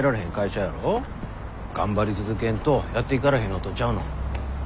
頑張り続けんとやっていかれへんのとちゃうの？